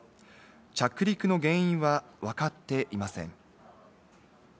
着陸の原因はわかっていません。